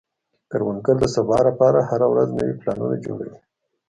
کروندګر د سبا لپاره هره ورځ نوي پلانونه جوړوي